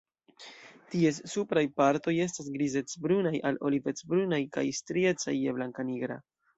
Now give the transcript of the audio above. Ties supraj partoj estas grizec-brunaj al olivec-brunaj kaj striecaj je blankanigra.